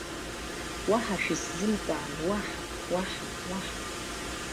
Уаҳа шәысзымҵаан, уаҳа, уаҳа, уаҳа!